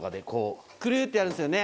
クルってやるんですよね。